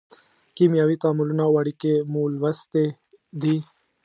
کیمیاوي تعاملونه او اړیکې مو لوستې دي.